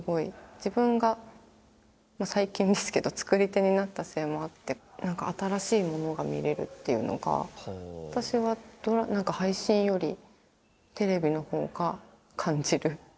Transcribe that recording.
自分が最近ですけど作り手になったせいもあって何か新しいものが見れるっていうのが私は配信よりテレビのほうが感じる。